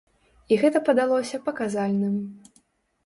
І гэта падалося паказальным.